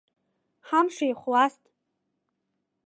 Ҳамш еихәласт.